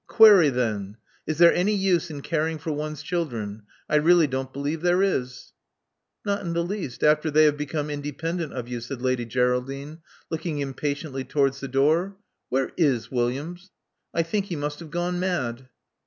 Query then: is there any use in caring for one's children? I really don't believe there is." "Not the least, after they have become independent of you," said Lady Geraldine, looking impatiently towards the door. ''Where is Williams? I think he must have gone mad."